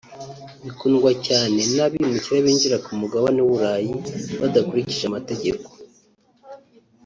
bikundwa cyane n’abimukira binjira ku mugabane w’u Burayi badakurikije amategeko